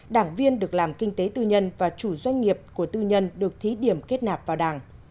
đảng viên được làm kinh tế tư nhân và chủ doanh nghiệp của tư nhân được thí điểm kết nạp vào đảng